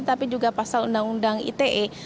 tapi juga pasal undang undang ite